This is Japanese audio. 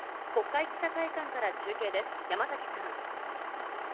国会記者会館から中継です、山崎さん。